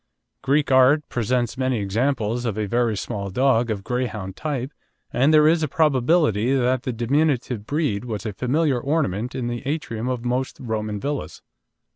Greek art presents many examples of a very small dog of Greyhound type, and there is a probability that the diminutive breed was a familiar ornament in the atrium of most Roman villas.